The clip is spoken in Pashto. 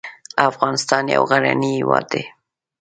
افغانستان يو غرنی هېواد دی.